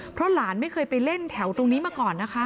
เพราะหลานไม่เคยไปเล่นแถวตรงนี้มาก่อนนะคะ